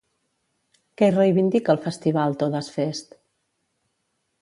Què reivindica el festival Todas Fest?